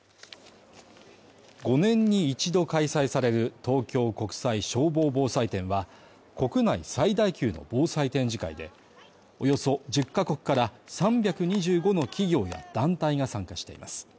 ５年に一度開催される東京国際消防防災展は、国内最大級の防災展示会で、およそ１０か国から３２５の企業や団体が参加しています。